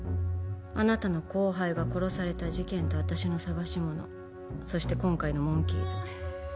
あなたの後輩が殺された事件と私の探しものそして今回のモンキーズ